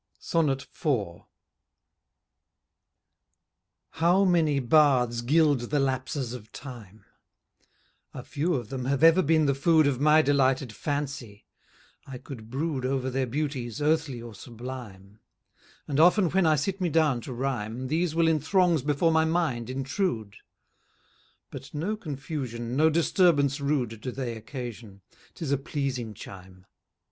IV. How many bards gild the lapses of time! A few of them have ever been the food Of my delighted fancy, I could brood Over their beauties, earthly, or sublime: And often, when I sit me down to rhyme, These will in throngs before my mind intrude: But no confusion, no disturbance rude Do they occasion; 'tis a pleasing chime.